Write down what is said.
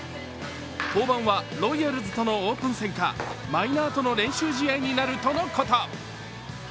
登板はロイヤルズとのオープン戦かマイナーとの練習試合になるとのこと。